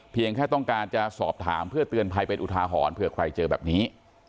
แค่ต้องการจะสอบถามเพื่อเตือนภัยเป็นอุทาหรณ์เผื่อใครเจอแบบนี้